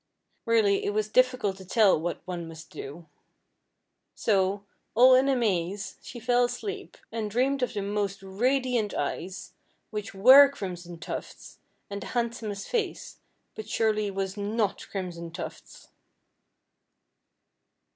Really it was difficult to tell what one must do. So, all in a maze, she fell asleep, and dreamed of the most radiant eyes, which were Crimson Tuft's, and the handsomest face, which surely was not Crimson Tuft's.